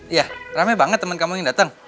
iya rame banget teman teman yang datang